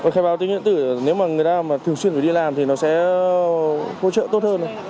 khai báo tính điện tử nếu mà người ta mà thường xuyên phải đi làm thì nó sẽ hỗ trợ tốt hơn